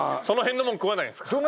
その辺のもん食わないんすか？